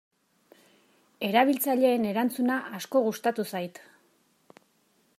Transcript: Erabiltzaileen erantzuna asko gustatu zait.